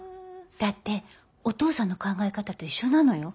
だってお父さんの考え方と一緒なのよ。